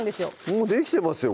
もうできてますよ